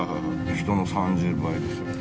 人の３０倍ですよね？